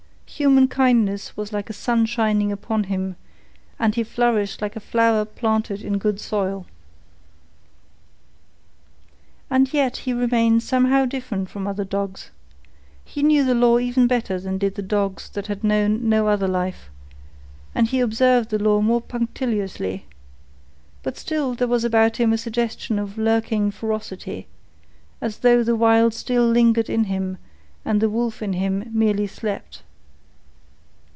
Human kindness was like a sun shining upon him, and he flourished like a flower planted in good soil. And yet he remained somehow different from other dogs. He knew the law even better than did the dogs that had known no other life, and he observed the law more punctiliously; but still there was about him a suggestion of lurking ferocity, as though the Wild still lingered in him and the wolf in him merely slept.